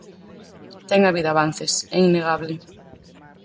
Ten habido avances, é innegable.